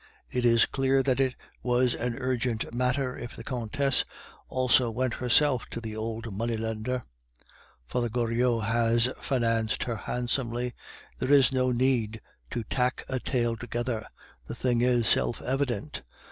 It is clear that it was an urgent matter if the Countess also went herself to the old money lender. Father Goriot has financed her handsomely. There is no need to tack a tale together; the thing is self evident.